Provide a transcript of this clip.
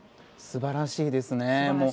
素晴らしいですね。